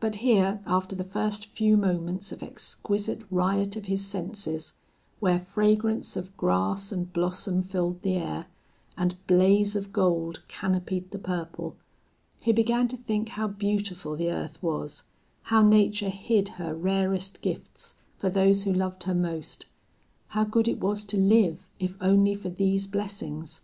But here, after the first few moments of exquisite riot of his senses, where fragrance of grass and blossom filled the air, and blaze of gold canopied the purple, he began to think how beautiful the earth was, how Nature hid her rarest gifts for those who loved her most, how good it was to live, if only for these blessings.